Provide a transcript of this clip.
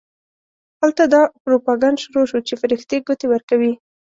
هلته دا پروپاګند شروع شو چې فرښتې ګوتې ورکوي.